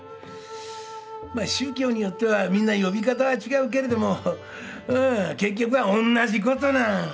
ま宗教によってはみんな呼び方は違うけれどもうん結局はおんなじことなん。